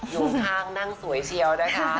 อยู่ข้างนั่งสวยเชียวนะคะ